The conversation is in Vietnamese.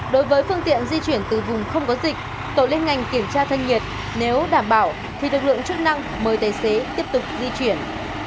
đối với phương tiện di chuyển từ vùng không có dịch tổ liên ngành kiểm tra thân nhiệt nếu đảm bảo thì lực lượng chức năng mời tài xế tiếp tục di chuyển